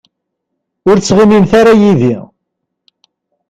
Ur ttɣimimt ara yid-i.